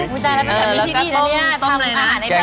บำรุงน้ำนม